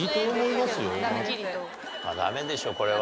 まあダメでしょうこれは。